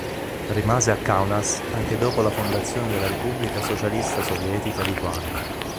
Rimase a Kaunas anche dopo la fondazione della Repubblica Socialista Sovietica Lituana.